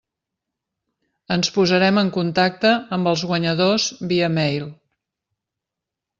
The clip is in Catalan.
Ens posarem en contacte amb els guanyadors via mail.